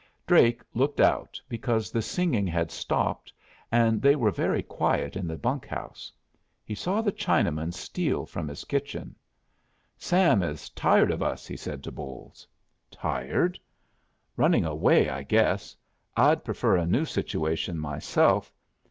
Drake looked out, because the singing had stopped and they were very quiet in the bunk house. He saw the Chinaman steal from his kitchen. "Sam is tired of us," he said to Bolles. "Tired?" "Running away, I guess. I'd prefer a new situation myself.